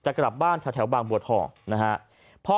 จากกลับบ้านจากแถวภูมิบังบวรทองภ๊อค